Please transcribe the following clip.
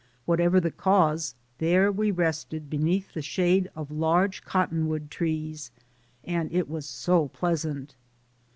Whatever the cause, there we rested beneath the shade of large cottonwood trees, and it was so pleasant.